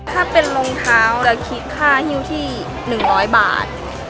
ถ้าเป็นรองเท้าจะคิดค่าฮิ้วที่๑๐๐บาท